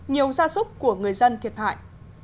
nhiều ra súc của người dân thiệt hại